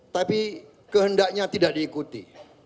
tapi kehendaknya tidak diikuti